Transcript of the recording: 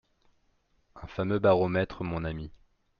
«Un fameux baromètre, mon ami.